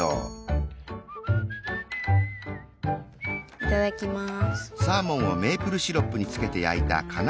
いただきます。